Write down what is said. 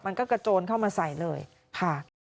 มันก็กระโจนเข้ามาใส่เลยค่ะ